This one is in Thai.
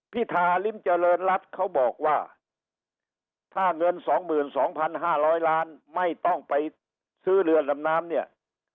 พิธาริมเจริญรัฐเขาบอกว่าถ้าเงิน๒๒๕๐๐ล้านไม่ต้องไปซื้อเรือดำน้ำเนี่ย